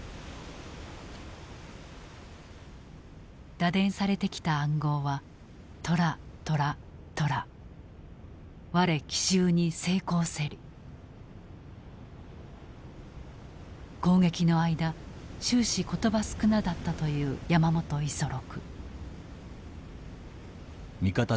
打電されてきた暗号は攻撃の間終始言葉少なだったという山本五十六。